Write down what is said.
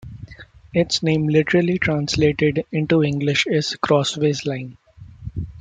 Its name literally translated into English is "Crossways line".